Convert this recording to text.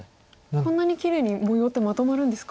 こんなにきれいに模様ってまとまるんですか。